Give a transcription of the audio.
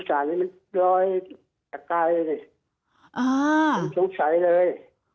สาวนี้มันลอยต่างเลยผมสงสัยเลย